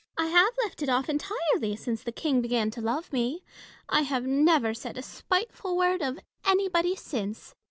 I have left it off entirely since the King began to love me. I have never said a spiteful word of anybody since. Bossuet.